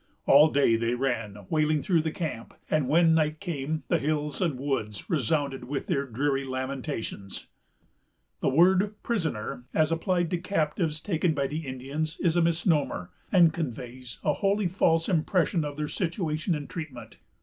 All day they ran wailing through the camp; and, when night came, the hills and woods resounded with their dreary lamentations. The word prisoner, as applied to captives taken by the Indians, is a misnomer, and conveys a wholly false impression of their situation and treatment.